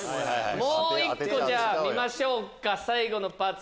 もう１個じゃあ見ましょうか最後のパーツ